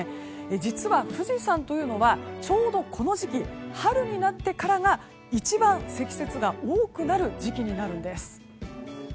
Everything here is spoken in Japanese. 実は、富士山というのはちょうどこの時期春になってからが一番、積雪が多くなる時期になるんです。